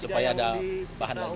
supaya ada bahan lagi